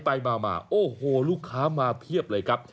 ไปมาโอ้โหลูกค้ามาเพียบเลยครับ